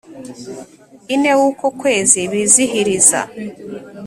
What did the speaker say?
ine w uko kwezi bizihiriza